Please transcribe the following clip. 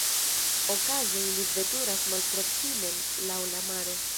Okaze ili veturas malproksimen laŭ la maro.